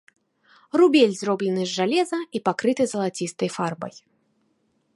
Рубель зроблены з жалеза і пакрыты залацістай фарбай.